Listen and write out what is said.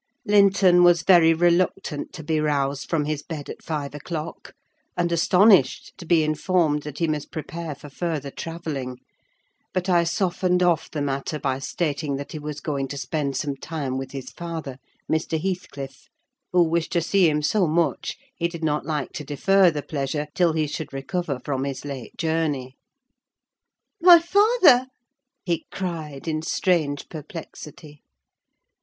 Linton was very reluctant to be roused from his bed at five o'clock, and astonished to be informed that he must prepare for further travelling; but I softened off the matter by stating that he was going to spend some time with his father, Mr. Heathcliff, who wished to see him so much, he did not like to defer the pleasure till he should recover from his late journey. "My father!" he cried, in strange perplexity.